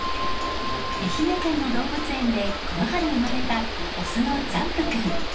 愛媛県の動物園でこの春、生まれたオスのジャンプ君。